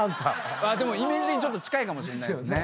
でもイメージ的にちょっと近いかもしれないですね。